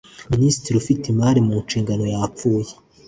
Minisitiri ufite imari mu nshingano yapfuye